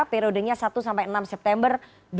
periodenya satu enam september dua ribu delapan belas